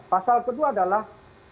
pasal kedua adalah